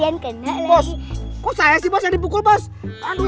kasihan kenal bos kos saya sih bisa dipukul bos aduh imut nih abis aja kamu